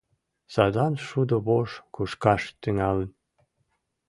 Садлан шудо вож кушкаш тӱҥалын.